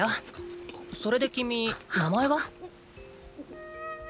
それで君名前は？